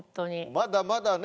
まだまだね